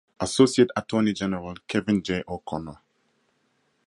Associate Attorney General Kevin J O'Connor.